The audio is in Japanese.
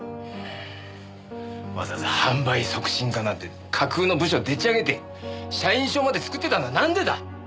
わざわざ販売促進課なんて架空の部署でっちあげて社員証まで作ってたのはなんでだ？